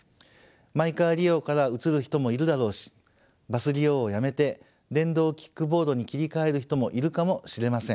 マイカー利用から移る人もいるだろうしバス利用をやめて電動キックボードに切り替える人もいるかもしれません。